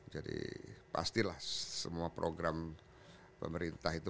jadi pastilah semua program pemerintah itu